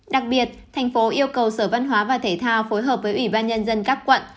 đặc biệt thành phố yêu cầu sở văn hóa và thể thao phối hợp với ủy ban nhân dân các quận